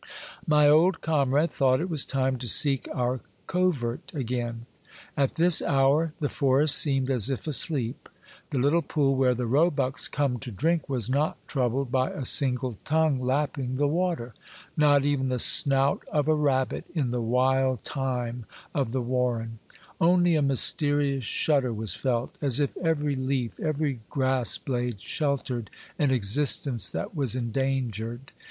My old comrade thought it was time to seek our covert again. At this hour the forest seemed as if asleep. The Httle pool where the roebucks come to drink was not troubled by a single tongue lapping the water. Not even the snout of a rabbit in the wild thyme of the warren. Only a mysterious shudder Emotions of a Yoimg Red Partridge, 295 was felt, as if every leaf, every grass blade, shel tered an existence that was endangered.